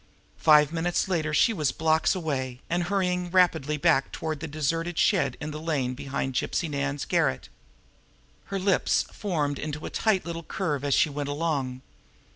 Five minutes later she was blocks away, and hurrying rapidly back toward the deserted shed in the lane behind Gypsy Nan's garret. Her lips formed into a tight little curve as she went along.